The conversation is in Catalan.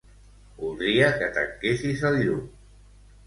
Voldria que tanquessis el llum.